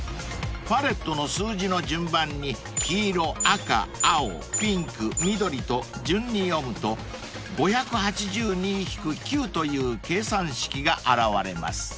［パレットの数字の順番に黄色赤青ピンク緑と順に読むと「５８２−９」という計算式が現れます］